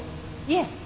いえ。